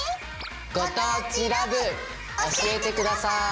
「ご当地ＬＯＶＥ」教えて下さい！